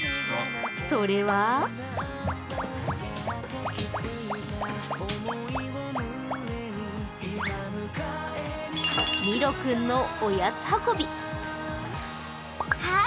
それはミロ君のおやつ運び。